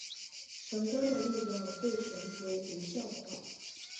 神官的力量对神族无效化。